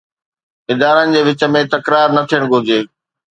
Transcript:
ادارن جي وچ ۾ تڪرار نه ٿيڻ گهرجي.